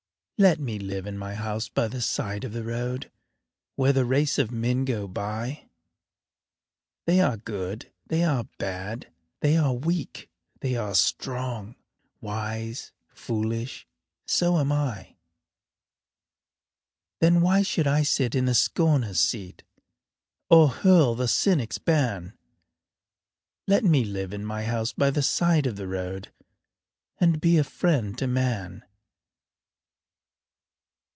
Let me live in my house by the side of the road, Where the race of men go by They are good, they are bad, they are weak, they are strong, Wise, foolish so am I. Then why should I sit in the scorner's seat, Or hurl the cynic's ban? Let me live in my house by the side of the road And be a friend to man.